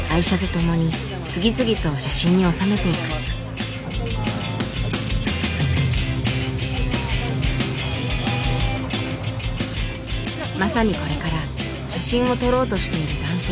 まさにこれから写真を撮ろうとしている男性を発見。